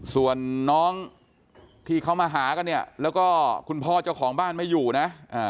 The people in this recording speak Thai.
ส่วนน้องที่เขามาหากันเนี่ยแล้วก็คุณพ่อเจ้าของบ้านไม่อยู่นะ